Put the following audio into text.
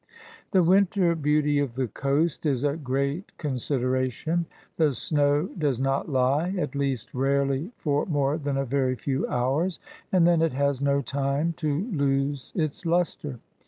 The winter beauty of the coast is a great consi deration. The snow does not lie ; at least rarely for more than a very few hours ; and then it has no time to lose its lustre.